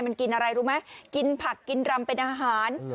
มันกินอะไรรู้ไหมกินผักกินรำเป็นอาหาร